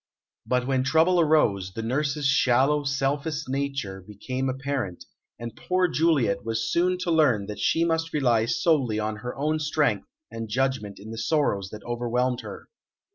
But when trouble arose, the nurse's shallow, selfish nature became apparent, and poor Juliet was soon to learn that she must rely solely on her own strength and judgment in the sorrows that overwhelmed her.